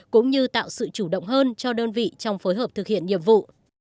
cũng như tạo sự chủ động hơn cho đơn vị trong phối hợp thực hiện nhiệm vụ